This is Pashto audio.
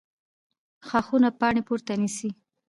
ښاخونه پاڼې پورته نیسي